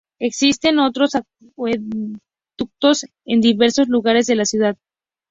Existen otros acueductos en diversos lugares de la ciudad.